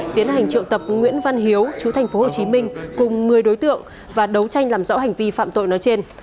tiến hành triệu tập nguyễn văn hiếu chú thành phố hồ chí minh cùng một mươi đối tượng và đấu tranh làm rõ hành vi phạm tội nói trên